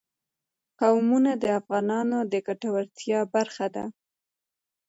قومونه د افغانانو د ګټورتیا برخه ده.